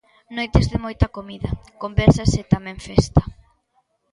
Noites de moita comida, conversas e tamén festa.